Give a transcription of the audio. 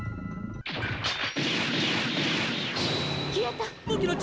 消えた！